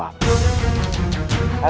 apabila musuh menyerang kita